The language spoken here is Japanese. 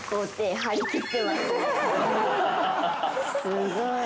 すごい。